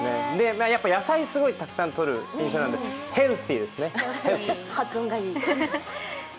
やっぱ野菜をすごくたくさんとる印象なんでヘルシーですね。